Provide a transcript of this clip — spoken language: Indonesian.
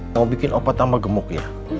mau bikin obat tambah gemuk ya